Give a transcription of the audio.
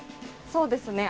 そうですね。